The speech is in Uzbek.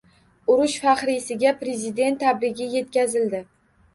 Urush faxriysiga Prezident tabrigi yetkazildi